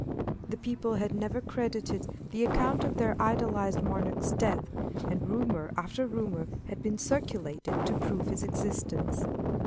The people had never credited the account of their idolized monarch's death, and rumour after rumour had been circulated to prove his existence.